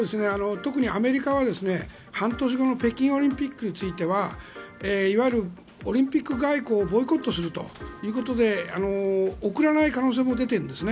特にアメリカは、半年後の北京オリンピックについてはいわゆるオリンピック外交をボイコットするということで送らない可能性も出てるんですね。